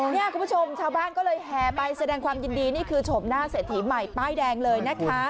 เนี่ยคุณผู้ชมชาวบ้านก็เลยแห่ไปแสดงความยินดีนี่คือชมหน้าเศรษฐีใหม่ป้ายแดงเลยนะคะ